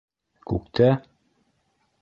Күктә?!